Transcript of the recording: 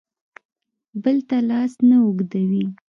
بل ته لاس نه اوږدوي.